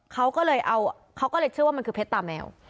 เขาก็เลยเอาเขาก็เลยเชื่อว่ามันคือเพชรตาแมว